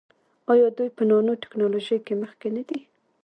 آیا دوی په نانو ټیکنالوژۍ کې مخکې نه دي؟